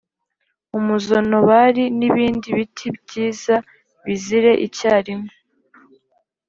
umuzonobari n’ibindi biti byiza bizire icyarimwe,